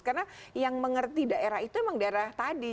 karena yang mengerti daerah itu memang daerah tadi